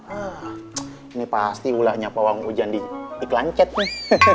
ini pasti ulahnya pawang hujan di iklan chat nih